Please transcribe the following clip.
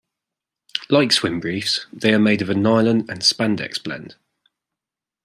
Like swim briefs, they are made of a nylon and spandex blend.